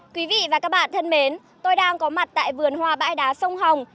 quý vị và các bạn thân mến tôi đang có mặt tại vườn hoa bãi đá sông hồng